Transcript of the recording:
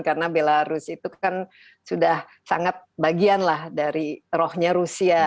karena belarus itu kan sudah sangat bagian lah dari rohnya rusia